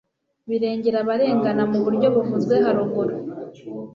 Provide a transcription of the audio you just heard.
birengera abarengana mu buryo buvuzwe haruguru